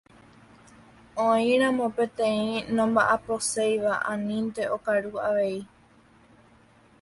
Oĩramo peteĩ nomba'aposéiva anínte okaru avei.